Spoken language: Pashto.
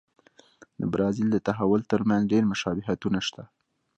د برازیل د تحول ترمنځ ډېر مشابهتونه شته.